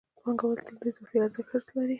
پانګوال تل د اضافي ارزښت حرص لري